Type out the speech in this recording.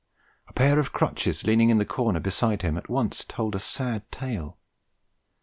a pair of crutches leaning in the corner beside him at once told a sad tale.